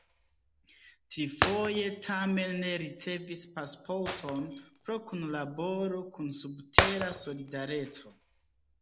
Trifoje tamen ne ricevis pasporton pro kunlaboro kun subtera "Solidareco".